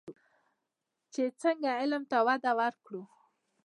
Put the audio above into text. چې څنګه علم ته وده ورکړو.